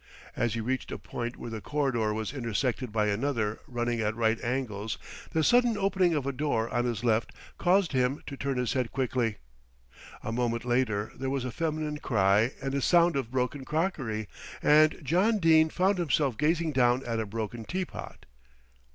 As he reached a point where the corridor was intersected by another running at right angles, the sudden opening of a door on his left caused him to turn his head quickly. A moment later there was a feminine cry and a sound of broken crockery, and John Dene found himself gazing down at a broken teapot.